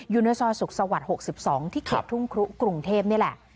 ยูนิสรสุขศวรรษ๖๒ที่เขียบทุ่งกรุงเทพนี่แหละ